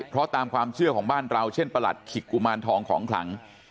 เพราะตามความเชื่อของบ้านเราเช่นประหลัดขิกกุมารทองของขลัง